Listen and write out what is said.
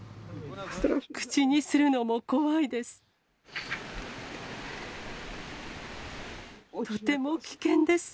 口にするのも怖いです。